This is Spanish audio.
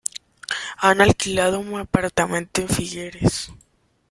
Han alquilado un apartamento en Figueres.